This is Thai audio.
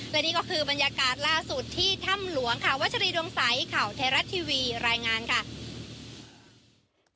และนี่ก็คือบรรยากาศล่าสุดที่ถ้ำหลวงค่ะวัชรีดวงใสข่าวไทยรัฐทีวีรายงานค่ะ